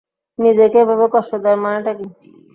নিজেকে এভাবে কষ্ট দেওয়ার মানেটা কী?